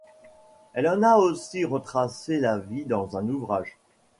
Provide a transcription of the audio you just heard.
Elle en a aussi retracé la vie dans un ouvrage.